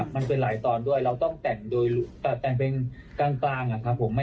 มันเป็นหลายตอนด้วยเราต้องแต่งเพลงกลางครับผม